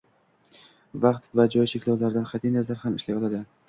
Vaqt va joy cheklovlaridan qatʼi nazar ham ishlay oladi.